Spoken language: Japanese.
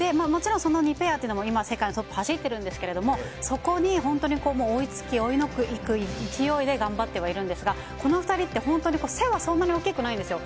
もちろんその２ペアっていうのも、今、世界のトップ走っているんですけれども、そこに本当にこう、追いつき追い抜く勢いで頑張ってはいるんですが、この２人って本当に背はそんなに大きくないんですよ。